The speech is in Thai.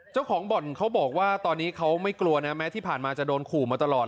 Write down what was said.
เจ้าของบ่อนเขาบอกว่าตอนนี้เขาไม่กลัวนะแม้ที่ผ่านมาจะโดนขู่มาตลอด